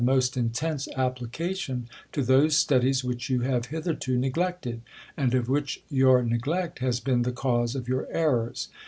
ost intense application to those studies which you have hitherto neglected, and of which your neglect has been the cause of your errors.